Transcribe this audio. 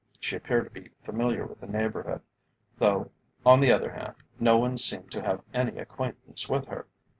She appeared to be familiar with the neighbourhood, though, on the other hand, no one seemed to have any acquaintance with her.